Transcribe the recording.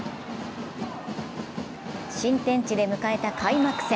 新天地で迎えた開幕戦。